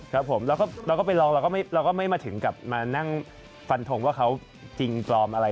ครับผมแล้วก็ไปลองเราก็ไม่มาถึงกับมานั่งฟันทงว่าเขาจริงปลอมอะไร